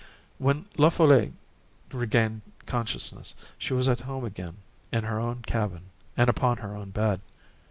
When La Folle regained consciousness, she was at home again, in her own cabin and upon her own bed.